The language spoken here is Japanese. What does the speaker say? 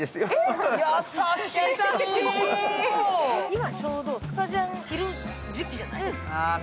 今ちょうどスカジャン要る時期じゃない？